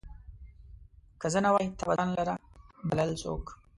که زه نه وای، تا به ځان لره بلل څوک